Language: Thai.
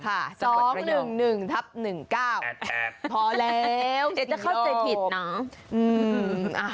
พอแล้วสิโยค